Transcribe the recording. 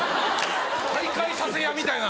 退会させ屋みたいな。